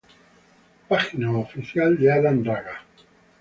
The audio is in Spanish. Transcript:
Página oficial de Adam Raga